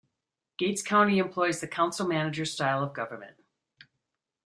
Gates County employs the Council-manager style of government.